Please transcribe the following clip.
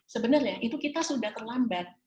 sebenarnya itu kita sudah terlambat